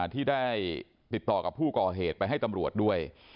ที่ได้ติดต่อกับผู้ก่อเหตุไปให้ตำรวจด้วย